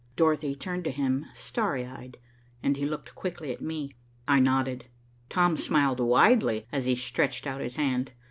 Dorothy turned to him, starry eyed, and he looked quickly at me. I nodded. Tom smiled widely, as he stretched out his hand.